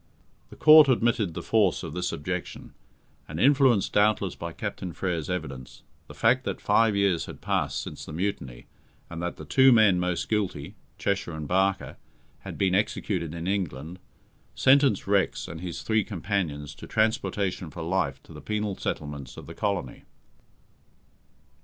The Court admitted the force of this objection, and, influenced doubtless by Captain Frere's evidence, the fact that five years had passed since the mutiny, and that the two men most guilty (Cheshire and Barker) had been executed in England, sentenced Rex and his three companions to transportation for life to the penal settlements of the colony.